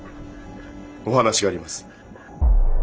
お話があります。